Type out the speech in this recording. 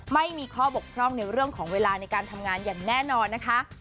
ไม่มีข้อบกพร่องในเรื่องของเวลาในการทำงานอย่างแน่นอนนะคะ